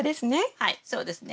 はいそうですね。